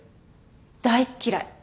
大っ嫌い。